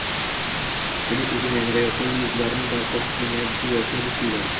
mening kulgim yangrayotgan yulduzlarning barchasi jilmayib kulayotgandek tuyuladi.